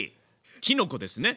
きのこですね！